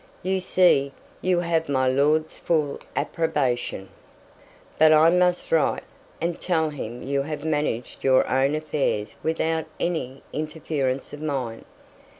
You see, you have my lord's full approbation. But I must write, and tell him you have managed your own affairs without any interference of mine.